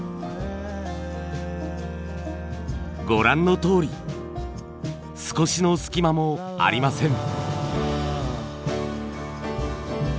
ご覧のとおり少しの隙間もありません。